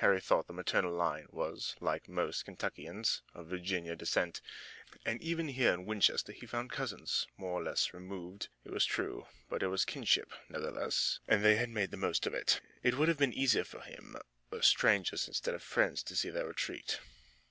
Harry through the maternal line was, like most Kentuckians, of Virginia descent, and even here in Winchester he had found cousins, more or less removed it was true, but it was kinship, nevertheless, and they had made the most of it. It would have been easier for him were strangers instead of friends to see their retreat.